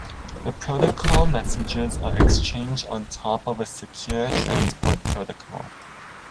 The protocol messages are exchanged on top of a secure transport protocol.